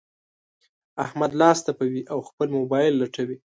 احمد لاس تپوي؛ او خپل مبايل لټوي.